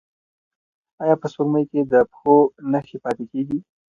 ایا په سپوږمۍ کې د پښو نښې پاتې کیږي؟